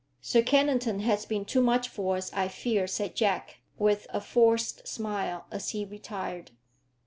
"Sir Kennington has been too much for us, I fear," said Jack, with a forced smile, as he retired.